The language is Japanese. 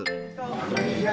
こんにちは。